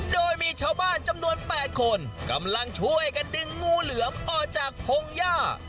โดยมีชาวบ้านจำนวน๘คนกำลังช่วยกันดึงงูเหลือมออกจากพงหญ้า